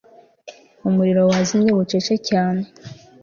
Umuriro wazimye bucece cyane